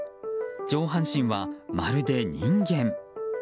上半身は、まるで人間。